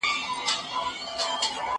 زه به اوږده موده کتابتون ته تللی وم؟